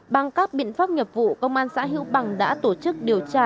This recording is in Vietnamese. bằng các biện pháp nghiệp vụ công an xã hữu bằng đã tổ chức điều tra